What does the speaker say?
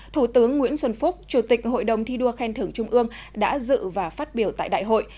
thủ tướng nguyễn xuân phúc chủ tịch hội đồng thi đua khen thưởng trung ương đã dự và phát biểu tại đại hội